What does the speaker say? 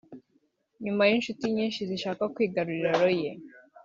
nyuma y’inshuti nyinshi zishaka kwigarurira Loye